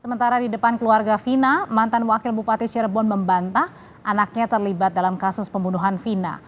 sementara di depan keluarga vina mantan wakil bupati cirebon membantah anaknya terlibat dalam kasus pembunuhan vina